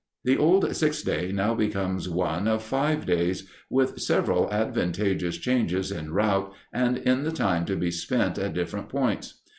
The old six day now becomes one of five days, with several advantageous changes in route and in the time to be spent at different points.